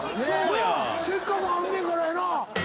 せっかくあんねからやな。